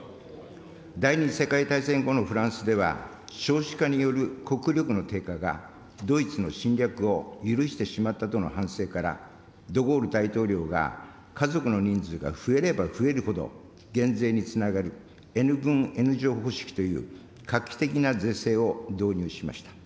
第２次世界大戦後のフランスでは、少子化による国力の低下がドイツの侵略を許してしまったとの反省から、ド・ゴール大統領が、家族の人数が増えれば増えるほど減税につながる、Ｎ分Ｎ乗方式という画期的な税制を導入しました。